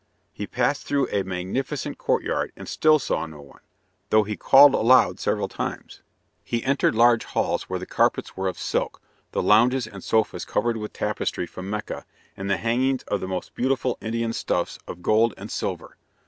He passed through a magnificent courtyard and still saw no one, though he called aloud several times. He entered large halls where the carpets were of silk, the lounges and sofas covered with tapestry from Mecca, and the hangings of the most beautiful Indian stuffs of gold and silver.